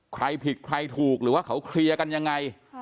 ใครผิดใครถูกหรือว่าเขาเคลียร์กันยังไง